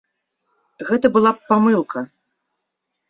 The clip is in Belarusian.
Гэта была б памылка.